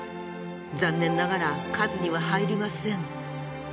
残念ながら数には入りません。